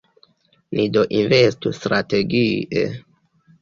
Ni do investu strategie.